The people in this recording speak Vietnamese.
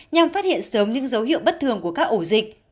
nhằm phát hiện sớm những dấu hiệu bất thường của các ổ dịch